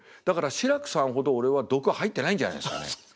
だから志らくさんほど俺は毒吐いてないんじゃないですかね。